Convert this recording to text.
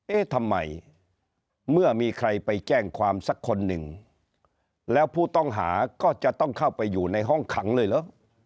เอ๊ะทำไมเมื่อมีใครไปแจ้งความสักคนหนึ่งแล้วผู้ต้องหาก็จะต้องเข้าไปอยู่ในห้องขังเลยเหรอ